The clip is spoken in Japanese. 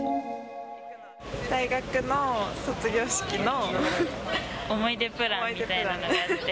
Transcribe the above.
大学の卒業式の思い出プラン